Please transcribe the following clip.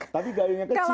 tapi gayunya kecil